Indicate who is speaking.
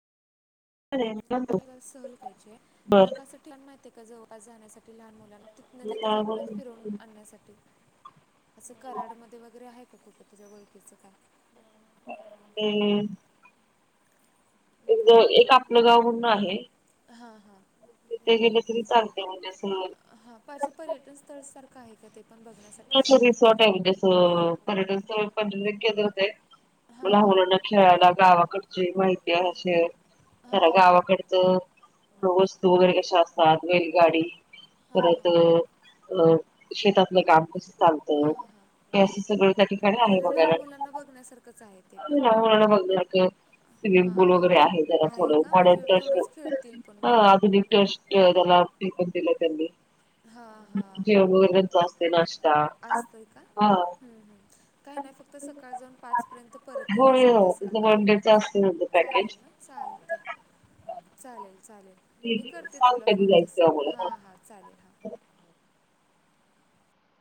Speaker 1: बर
Speaker 2: [unintelligible] माहित आहे का जवळपास जाण्यासाठी लहान मुलांना तिथ न तिथंच आपलं फिरून आणण्यासाठी तसं कराडमध्ये वगैरे आहे कुठं तुझ्या वळकीचं काय
Speaker 1: [unintelligible] इथ एक आपलं गाव म्हणून आहे
Speaker 2: हां हां
Speaker 1: तिथे गेले तरी चालते म्हणजे असं
Speaker 2: हां पास पर्यटन स् तळ सारखं आहे का ते पण बघण्यासाठी
Speaker 1: रिसॉर्ट आहे म्हणजे पर्यटन स्थळ पर्यटक [unintelligible]
Speaker 2: हां हां
Speaker 1: मला मुलांना खेळायला गावाकडची माहिती असे
Speaker 2: हां
Speaker 1: त्या
Speaker 2: हां हां
Speaker 1: गावाकड वस्तू वगैरे कशा असतात बैलगाडी परत
Speaker 2: हां
Speaker 1: अ शेतातलं काम कस चालतं
Speaker 2: हां हां
Speaker 1: हे असं सगळं त्या ठिकाणी आहे
Speaker 2: म्हणजे लहान
Speaker 1: बघायला
Speaker 2: मुलांना बघण्यासारखंच आहे ते पण
Speaker 1: लहान मुलांना बघण्यासारखं स्विमिंग
Speaker 2: हा
Speaker 1: पूल
Speaker 2: हा
Speaker 1: वगैरे आहे त्याला
Speaker 2: आहे का
Speaker 1: थोडं
Speaker 2: म्हणजे तेवढंच खेळतील पण
Speaker 1: [unintelligible]
Speaker 2: मुलं
Speaker 1: आधुनिक [unintelligible] दिलं त्यांनी
Speaker 2: हा
Speaker 1: जेवन वगैरे तेनच असतय नाष्टा
Speaker 2: असतय का हम् हम्म काही नाही फक्त सकाळ जाऊन पाच पर्यंत परत
Speaker 1: होय
Speaker 2: येण्यासाठी
Speaker 1: हो
Speaker 2: असं
Speaker 1: तिचं वन
Speaker 2: आहे
Speaker 1: डेच असते त्यांचं पॅकेज
Speaker 2: चालेल ना चालतय चालेल चालेल मी
Speaker 1: ठीक आहे
Speaker 2: करते
Speaker 1: सांग
Speaker 2: तुला
Speaker 1: कधी
Speaker 2: फोन
Speaker 1: जायचं ते
Speaker 2: तसं
Speaker 1: आम्हाला
Speaker 2: हां हां चालेल हां